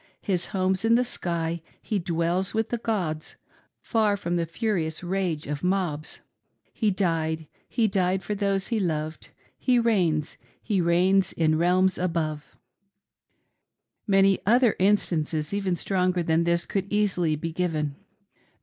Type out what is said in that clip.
" His home's in the sky, ke dwells with the Gods, Far from the furious rage of mobs! " He died ! he died for those he loved ; He reigns! He reignsin the realms above." Many other instances, even stronger than this, could easily be given.